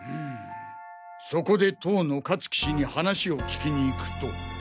そこで当の香月氏に話を聞きに行くと。